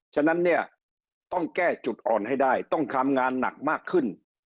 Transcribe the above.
ฉะนั้นเนี่ยต้องแก้จุดอ่อนให้ได้ต้องทำงานหนักมากขึ้น